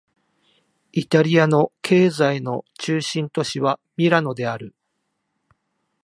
イタリアの経済の中心都市はミラノである